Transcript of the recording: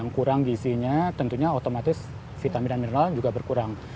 kurang gizinya tentunya otomatis vitamin dan mineral juga berkurang